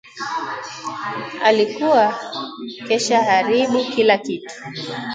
Alikuwa keshaharibu kila kitu